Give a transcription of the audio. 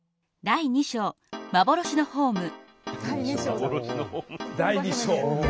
「第二章幻のホーム」。